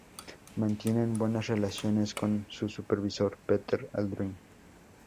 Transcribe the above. Mantienen buenas relaciones con su supervisor, Peter Aldrin.